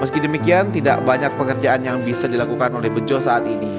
meski demikian tidak banyak pekerjaan yang bisa dilakukan oleh bejo saat ini